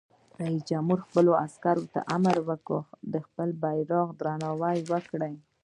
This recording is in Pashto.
رئیس جمهور خپلو عسکرو ته امر وکړ؛ د خپل بیرغ درناوی وکړئ!